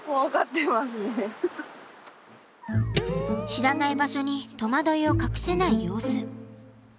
知らない場所に戸惑いを隠せない様子。